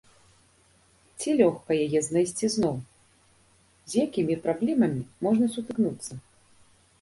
Ці лёгка яе знайсці зноў, з якімі праблемамі можна сутыкнуцца?